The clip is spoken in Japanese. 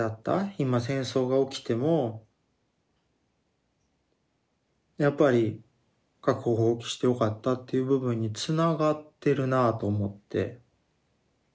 今戦争が起きてもやっぱり核を放棄してよかった」っていう部分につながってるなあと思って。